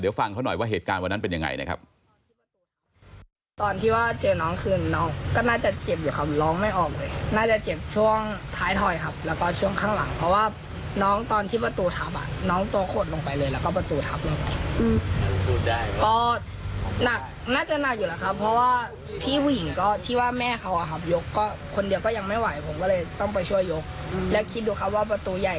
เดี๋ยวฟังเขาหน่อยว่าเหตุการณ์วันนั้นเป็นยังไงนะครับ